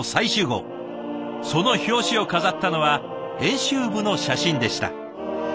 その表紙を飾ったのは編集部の写真でした。